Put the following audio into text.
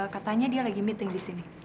katanya dia lagi meeting disini